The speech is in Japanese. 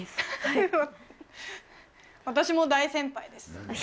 私も大先輩です。